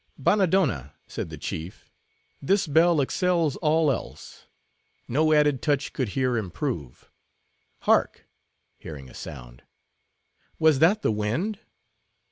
"Bannadonna," said the chief, "this bell excels all else. No added touch could here improve. Hark!" hearing a sound, "was that the wind?"